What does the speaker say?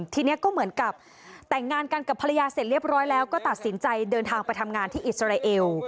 ทีนี้ก็เหมือนกับแต่งงานกันกับภรรยาเสร็จเรียบร้อยแล้วก็ตัดสินใจเดินทางไปทำงานที่อิสราเอล